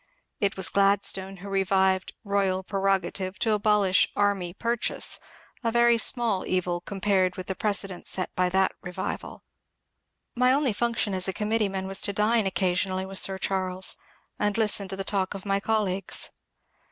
It was Gladstone who revived " royal prerogative" to abolish "army purchase," — a very small evil compared with the precedent set by that revival. My only function as a committeeman was to dine occasionally with Sir Charles and listen to the talk of my colleagues.